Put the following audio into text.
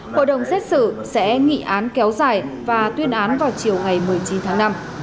hội đồng xét xử sẽ nghị án kéo dài và tuyên án vào chiều ngày một mươi chín tháng năm